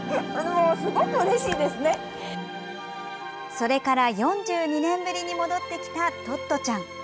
それから４２年ぶりに戻ってきた、トットちゃん。